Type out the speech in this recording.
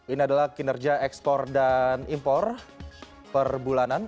ini adalah kinerja ekspor dan impor per bulanan